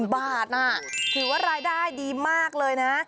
๕๐๐๐๐๖๐๐๐๐บาทน่ะถือว่ารายได้ดีมากเลยนะ